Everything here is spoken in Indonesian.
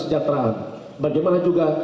sejahteraan bagaimana juga